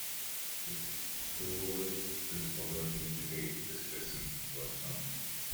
If Stowers is forgotten today, this lesson was not.